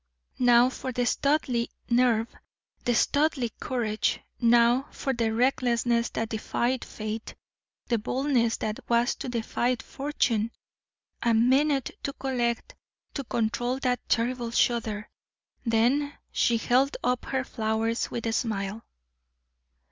Now for the Studleigh nerve, the Studleigh courage; now for the recklessness that defied fate, the boldness that was to defy fortune! A minute to collect, to control that terrible shudder, then she held up her flowers with a smile.